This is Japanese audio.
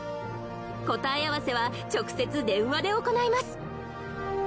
答え合わせは直接電話で行います